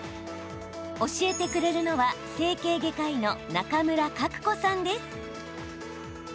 教えてくれるのは整形外科医の中村格子さんです。